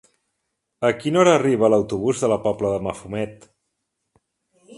A quina hora arriba l'autobús de la Pobla de Mafumet?